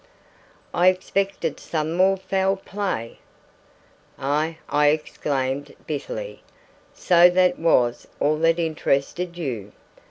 "I expected some more foul play!" "Ah!" I exclaimed bitterly. "So that was all that interested you!